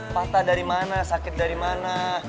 patah dari mana sakit dari mana